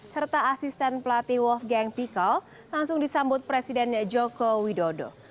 serta asisten pelatih wolfgang pikaul langsung disambut presiden joko widodo